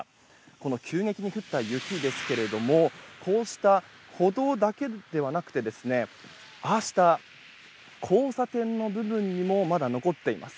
この急激に降った雪ですがこうした歩道だけではなくてああした交差点の部分にもまだ残っています。